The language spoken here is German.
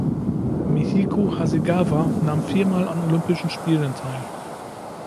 Michiko Hasegawa nahm viermal an Olympischen Spielen teil.